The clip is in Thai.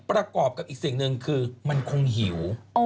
ประกอบกับอีกสิ่งหนึ่งคือมันคงหิว